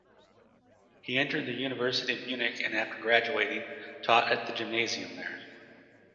He entered the University of Munich and after graduating, taught at the gymnasium there.